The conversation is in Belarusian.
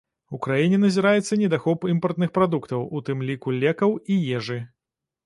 У краіне назіраецца недахоп імпартных прадуктаў, у тым ліку лекаў і ежы.